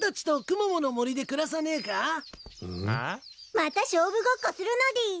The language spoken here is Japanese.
また勝負ごっこするのでぃす！